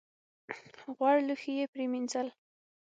غوړ لوښي یې پرېمینځل .